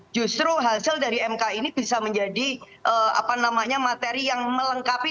justru hasil dari mk ini bisa menjadi materi yang melengkapi